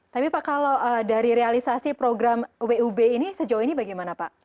tapi pak kalau dari realisasi program wub ini sejauh ini bagaimana pak